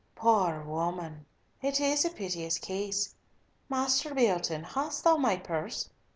"Poor woman!" she said, "it is a piteous case. Master Beatoun, hast thou my purse?